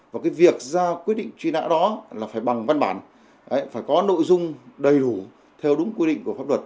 và cái việc ra quyết định truy nã đó là phải bằng văn bản phải có nội dung đầy đủ theo đúng quy định của pháp luật